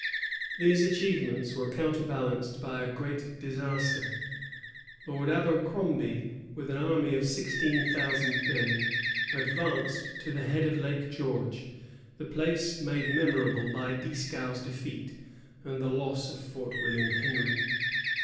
These achievements were counterbalanced by a great disaster. Lord Abercrombie, with an army of sixteen thousand men, advanced to the head of Lake George, the place made memorable by Dieskau's defeat and the loss of Fort William Henry.